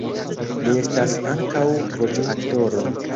Li estas ankaŭ voĉoaktoro.